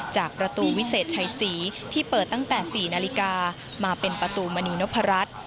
จากประตูวิเศษชัยศรีที่เปิดตั้งแต่๔นาฬิกามาเป็นประตูมณีนพรัช